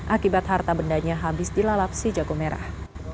akibat harta bendanya habis dilalap si jago merah